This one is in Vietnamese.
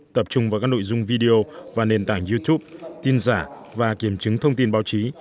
tập trung vào các nội dung video và nền tảng youtube tin giả và kiểm chứng thông tin báo chí